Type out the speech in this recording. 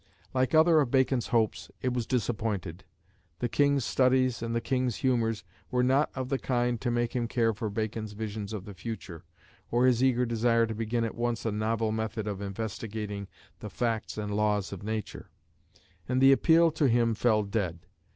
Like other of Bacon's hopes, it was disappointed. The King's studies and the King's humours were not of the kind to make him care for Bacon's visions of the future, or his eager desire to begin at once a novel method of investigating the facts and laws of nature; and the appeal to him fell dead.